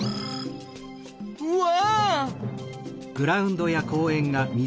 うわ！